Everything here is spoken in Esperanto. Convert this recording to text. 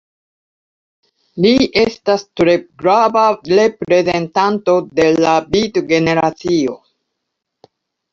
Li estas tre grava reprezentanto de la Beat-generacio.